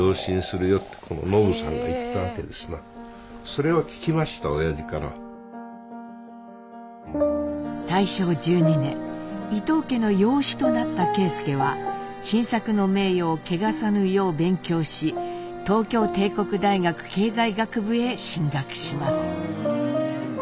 それはですね大正１２年伊藤家の養子となった啓介は新作の名誉を汚さぬよう勉強し東京帝国大学経済学部へ進学します。